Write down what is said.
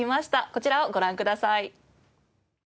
こちらをご覧ください。